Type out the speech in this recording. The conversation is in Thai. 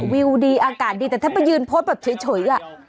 วิวดีอากาศดีแต่ถ้าไปยืนโพสต์แบบเฉย